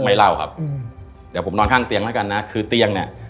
ไม่เล่าครับเดี๋ยวผมนอนข้างเตียงแล้วกันนะคือเตียงเนี่ย